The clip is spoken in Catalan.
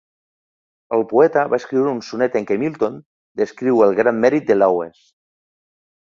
El poeta va escriure un sonet en què Milton descriu el gran mèrit de Lawes.